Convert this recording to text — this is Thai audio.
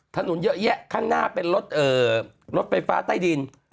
ค่ะถนนเยอะแยะข้างหน้าเป็นรถเอ่อรถไฟฟ้าใต้ดิน